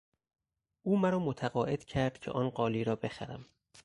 او مرا متقاعد کرد که آن قالی را بخرم.